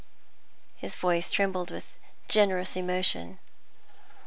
His voice trembled with generous emotion.